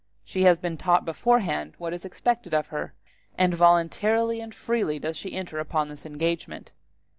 She has been taught beforehand what is expected of her, and voluntarily and freely does she enter upon this engagement.